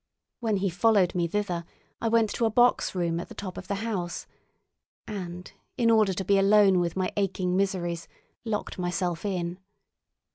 When he followed me thither, I went to a box room at the top of the house and, in order to be alone with my aching miseries, locked myself in.